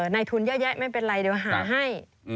ในทุนเยอะแยะไม่เป็นไรเดี๋ยวหาให้